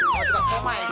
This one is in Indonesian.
udah masuk rumah ya